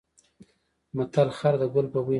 متل: خر د ګل په بوی نه پوهېږي.